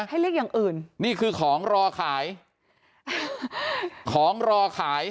ให้เรียกอย่างอื่นนี่คือของรอขายของรอขาย